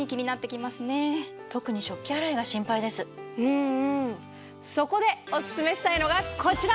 うんうんそこでおススメしたいのがこちら！